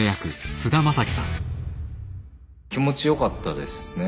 気持ちよかったですね